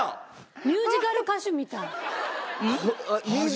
ミュージカル歌手みたい。